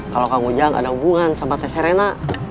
kalau kang ujang ada hubungan sama tes serena